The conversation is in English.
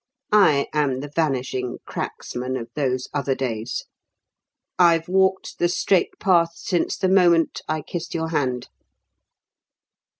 I am the 'Vanishing Cracksman' of those other days. I've walked the 'straight path' since the moment I kissed your hand."